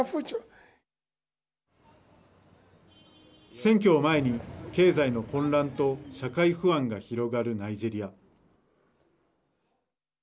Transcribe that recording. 選挙を前に経済の混乱と社会不安が広がるナイジェリア。